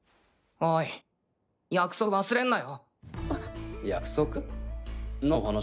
おい約束忘れんなよ。